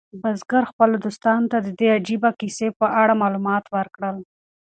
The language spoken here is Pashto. بزګر خپلو دوستانو ته د دې عجیبه کیسې په اړه معلومات ورکړل.